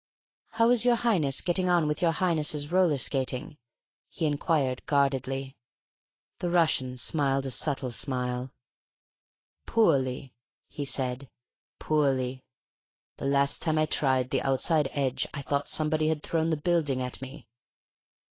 "How is your Highness getting on with your Highness's roller skating?" he enquired guardedly. The Russian smiled a subtle smile. "Poorly," he said, "poorly. The last time I tried the outside edge I thought somebody had thrown the building at me."